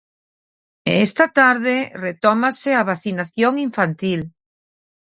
E esta tarde retómase a vacinación infantil.